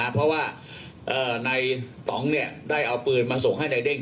เพราะว่าในต่องได้เอาปืนมาส่งให้นายเด้ง